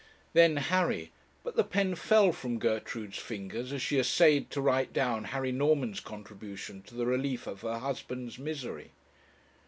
Then Harry but the pen fell from Gertrude's fingers as she essayed to write down Harry Norman's contribution to the relief of her husband's misery.